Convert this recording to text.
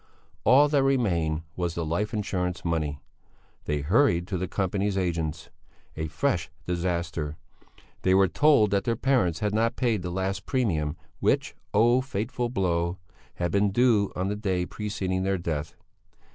All that remained was the life insurance money. They hurried to the Company's agents. A fresh disaster! They were told that their parents had not paid the last premium which oh, fateful blow! had been due on the day preceding their death.